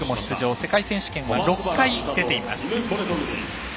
世界選手権は６回出ています。